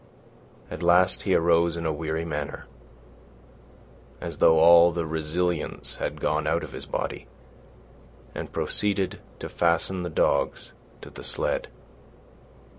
At last he arose in a weary manner, as though all the resilience had gone out of his body, and proceeded to fasten the dogs to the sled.